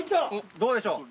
どうでしょう？